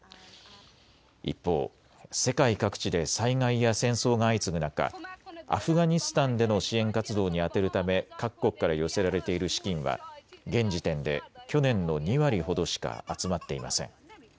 一方、世界各地で災害や戦争が相次ぐ中、アフガニスタンでの支援活動に充てるため各国から寄せられている資金は現時点で去年の２割ほどしか集まっていません。